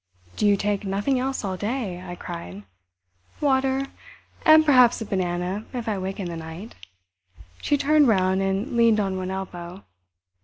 "Do you take nothing else all day?" I cried. "Water. And perhaps a banana if I wake in the night." She turned round and leaned on one elbow.